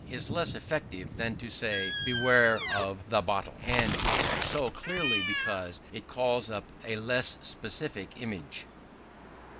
is less effective than to say, "Beware of the bottle!" and is so, clearly because it calls up a less specific image.